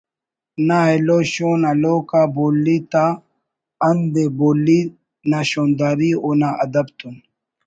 نا ایلو شون ہلکوک آ بولی تا ہند ءِ بولی نا شونداری اونا ادب تون